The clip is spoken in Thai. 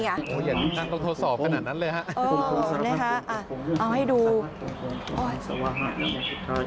อย่าต้องทดสอบขนาดนั้นเลย